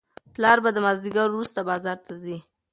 پلار به د مازیګر وروسته بازار ته ځي.